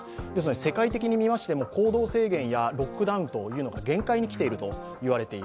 世界的に見ましても行動制限やロックダウンが限界に来ているといわれている。